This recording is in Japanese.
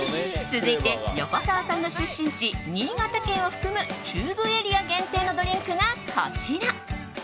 続いて、横澤さんの出身地新潟県を含む中部エリア限定のドリンクがこちら。